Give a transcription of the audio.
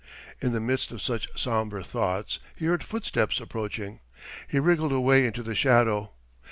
In the midst of such somber thoughts, he heard footsteps approaching. He wriggled away into the shadow.